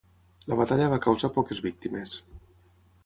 La batalla va causar poques víctimes.